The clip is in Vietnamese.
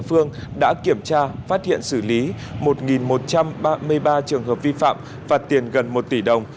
phương đã kiểm tra phát hiện xử lý một một trăm ba mươi ba trường hợp vi phạm phạt tiền gần một tỷ đồng